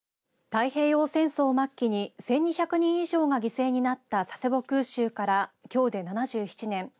太平洋戦争末期に１２００人以上が犠牲になった佐世保空襲からきょうで７７年。